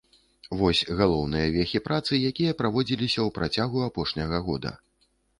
Вось галоўныя вехі працы, якая праводзілася ў працягу апошняга года.